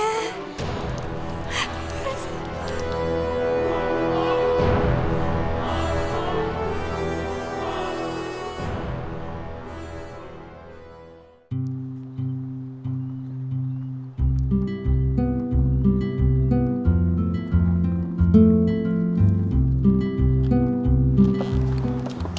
terima kasih bu